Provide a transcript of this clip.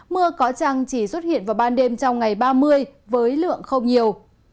mưa có trăng chỉ xuất hiện vào ban đêm trong ngày ba mươi với lượng không nhiều